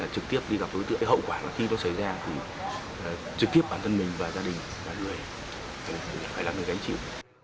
trực tiếp đi gặp đối tượng hậu quả là khi nó xảy ra thì trực tiếp bản thân mình và gia đình là người gánh chịu